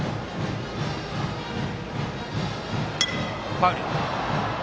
ファウル。